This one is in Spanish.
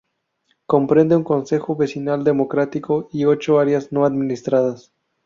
Comprende un consejo vecinal democrático, y ocho áreas no administradas.